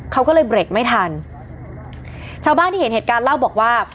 เขาก็เลยเบรกไม่ทันชาวบ้านที่เห็นเหตุการณ์เล่าบอกว่า